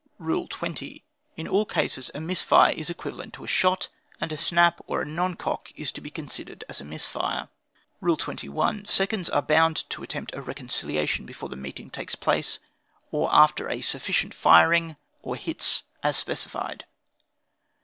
"Rule 20. In all cases a miss fire is equivalent to a shot, and a snap or a non cock is to be considered as a miss fire. "Rule 21. Seconds are bound to attempt a reconciliation before the meeting takes place, or after sufficient firing or hits, as specified.